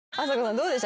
どうでした？